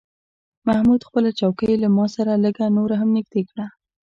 محمود خپله چوکۍ له ما سره لږه نوره هم نږدې کړه.